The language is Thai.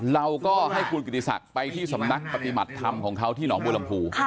เราก็ให้คุณกิติศักดิ์ไปที่สำนักปฏิบัติธรรมของเขาที่หนองบัวลำพู